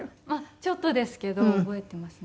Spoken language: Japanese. ちょっとですけど覚えていますね。